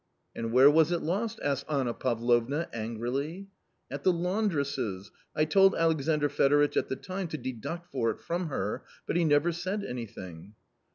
"And where was it lost?" asked Anna Pavlovna angrily. "At the laundress's. I told Alexandr Fedoritch at the time to deduct for it from her, but he never said anything."